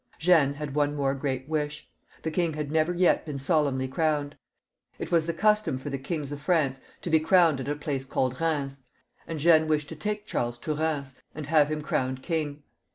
Jeanne had one more great wish. The king had never yet been solemnly crowned. It was the custom for the kings of France to be crowned at a place called Bheims, and Jeanne wished to take Charles to Sheims and have him crowned king.